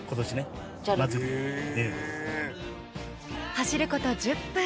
走ること１０分。